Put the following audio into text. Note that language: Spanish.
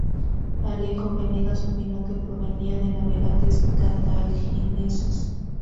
Alejo Venegas opinó que provenían de navegantes cartagineses.